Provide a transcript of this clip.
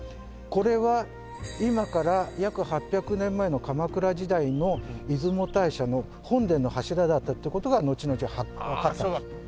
これは今から約８００年前の鎌倉時代の出雲大社の本殿の柱だったという事がのちのちわかったんです。